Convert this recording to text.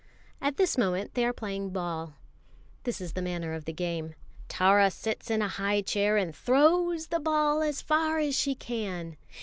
At this moment they are playing ball. This is the manner of the game: Tara sits in a high chair and throws the ball as far as she can.